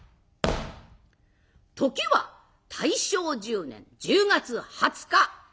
時は大正１０年１０月２０日。